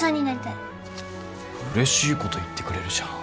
うれしいこと言ってくれるじゃん。